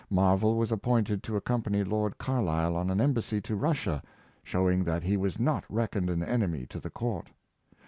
Marvell was appointed to accompany Lord Carlisle on an embassy to Russia, showing that he was not reckoned an enemy to the court.